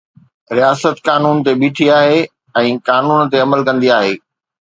رياست قانون تي بيٺي آهي ۽ قانون تي عمل ڪندي آهي.